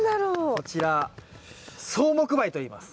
こちら草木灰といいます。